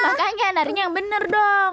makanya narinya yang benar dong